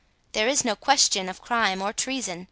There is here no question of crime or treason.